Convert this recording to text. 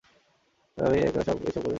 তবে আমি একা এই সব করিনি।